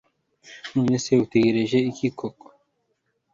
nonese utegereje iki koko